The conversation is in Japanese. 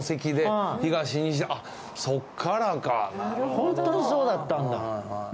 ホントにそうだったんだ。